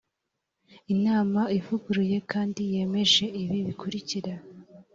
inama ivuguruye kandi yemeje ibi bikurikira